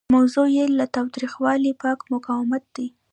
موضوع یې له تاوتریخوالي پاک مقاومت دی.